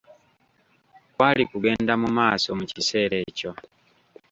Kwali kugenda mu maaso mu kiseera ekyo.